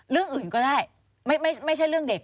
เรื่องอื่นก็ได้ไม่ใช่เรื่องเด็ก